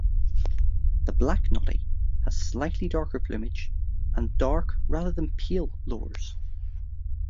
The black noddy has slightly darker plumage and dark rather than pale lores.